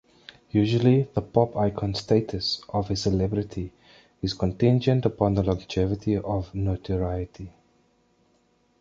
Usually, the pop icon status of a celebrity is contingent upon longevity of notoriety.